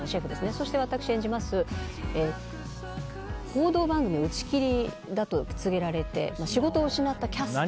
そして私が演じます報道番組打ち切りだと告げられて仕事を失ったキャスター。